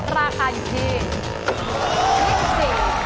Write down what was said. ราคาอยู่ที่๒๐บาท